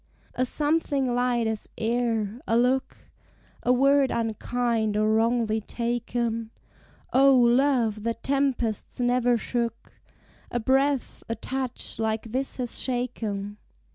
A something light as air, a look, A word unkind or wrongly taken, O, love that tempests never shook, A breath, a touch like this has shaken!